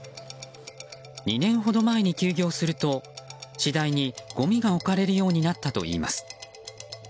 ２年ほど前に休業すると次第に、ごみが置かれるようになったといいます。